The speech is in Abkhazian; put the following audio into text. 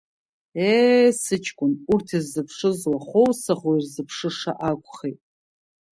Ее, сыҷкәын, урҭ ирзыԥшыз уаӷоу-саӷоу ирзыԥшыша акәхеит.